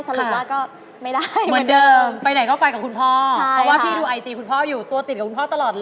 สำหรับว่าก็